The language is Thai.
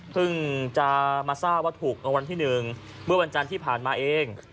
จะมาทราบว่าถูกรางวัลที่๑เมื่อวันจันทร์ที่ผ่านมาเอง